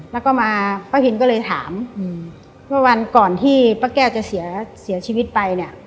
แล้วก็มาป้าพินก็เลยถามว่าวันก่อนที่ป้าแก้วจะเสียชีวิตไปเนี่ย